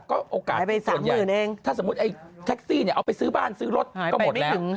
ก็โอกาสส่วนใหญ่ถ้าสมมุติไอ้แท็กซี่เอาไปซื้อบ้านซื้อรถก็หมดแล้ว